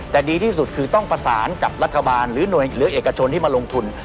แต่ดีที่สุดคือต้องประสานกับรัฐบาลหรือหน่วยหรือเอกชนที่มาลงทุน